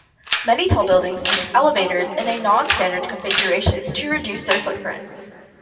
Many tall buildings use elevators in a non-standard configuration to reduce their footprint.